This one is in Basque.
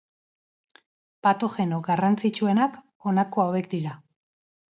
Patogeno garrantzitsuenak honako hauek dira.